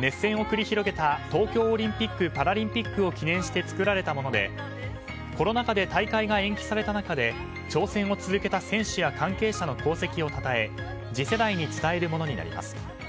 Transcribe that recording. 熱戦を繰り広げた東京オリンピック・パラリンピックを記念して作られたものでコロナ禍で大会が延期された中で挑戦を続けた選手や関係者の功績をたたえ次世代に伝えるものになります。